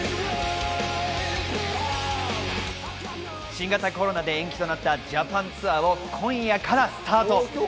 新型コロナで延期となったジャパン・ツアーを今夜からスタート。